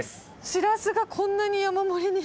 しらすがこんなに山盛りに。